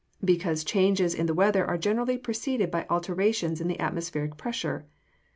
_ Because changes in the weather are generally preceded by alterations in the atmospheric pressure.